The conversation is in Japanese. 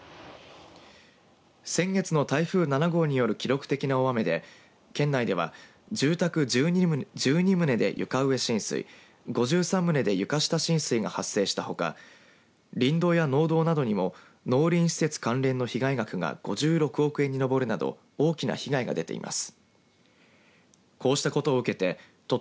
先月の台風７号による記録的な大雨で県内では住宅１２棟で床上浸水５３棟で床下浸水が発生したほか林道や農道などにも農林施設関連の被害額が５６億円に上るなど大きな被害が出ています。